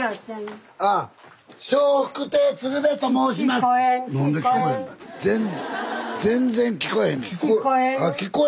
スタジオ全然聞こえへんねん。